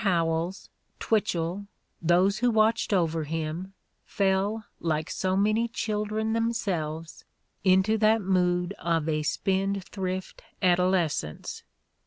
Howells, Twitchell, those who watched over him, fell, like so many children themselves, into that mood of a spendthrift adolescence.